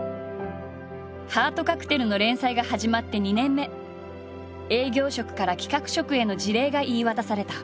「ハートカクテル」の連載が始まって２年目営業職から企画職への辞令が言い渡された。